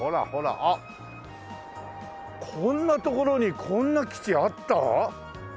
こんな所にこんな基地あった？